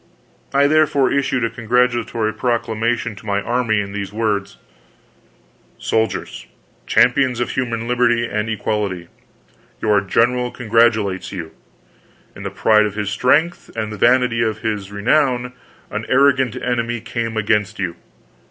I therefore issued a congratulatory proclamation to my army in these words: SOLDIERS, CHAMPIONS OF HUMAN LIBERTY AND EQUALITY: Your General congratulates you! In the pride of his strength and the vanity of his renown, an arrogant enemy came against you.